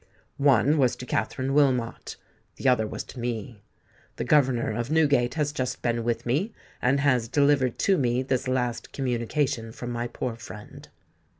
One was to Katherine Wilmot—the other was to me. The governor of Newgate has just been with me, and has delivered to me this last communication from my poor friend."